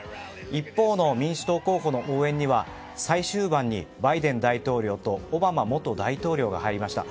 一方の民主党候補の応援には最終盤に、バイデン大統領とオバマ元大統領が入りました。